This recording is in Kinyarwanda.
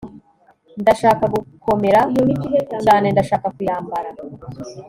ndashaka gukomera cyane, ndashaka kuyambara